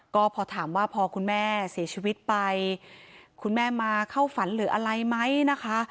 ก็พอถามว่าพอคุณแม่เสียชีวิตไปคุณแม่มาเข้าฝันหรืออะไรไหมนะคะ